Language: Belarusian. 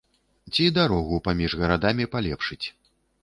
Ці дарогу паміж гарадамі палепшыць.